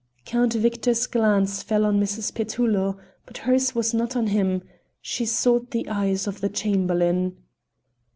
Count Victor's glance fell on Mrs. Petullo, but hers was not on him; she sought the eyes of the Chamberlain.